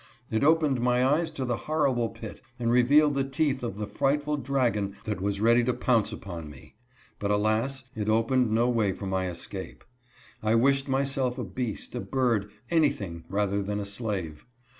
It opened my eyes to the horrible pit, and revealed^the teeth of the frightful dragon that was ready to pounce upon me ; but alas, it opened no way for my escape. I wished myself a beajst, a bird, anything rather than a slave.